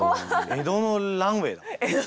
江戸のランウェイ。